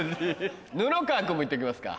布川君も行っときますか。